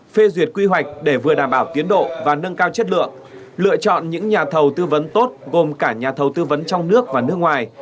phê duyệt quy hoạch để vừa đảm bảo tiến độ và nâng cao chất lượng lựa chọn những nhà thầu tư vấn tốt gồm cả nhà thầu tư vấn trong nước và nước ngoài